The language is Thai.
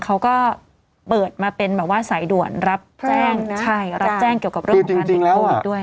เขาก็เปิดมาเป็นแบบว่าสายด่วนรับแจ้งรับแจ้งเกี่ยวกับเรื่องของการติดโควิดด้วย